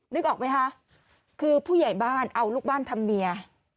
นึกออกไหมคะคือผู้ใหญ่บ้านเอาลูกบ้านทำเมีย